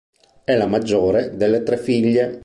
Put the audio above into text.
È la maggiore delle tre figlie.